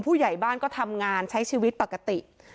ผู้ใหญ่บ้านก็ทำงานใช้ชีวิตปกติ